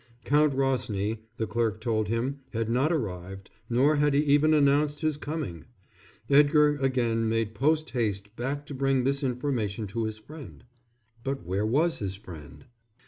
Count Rosny, the clerk told him, had not arrived, nor had he even announced his coming. Edgar again made post haste back to bring this information to his friend. But where was his friend?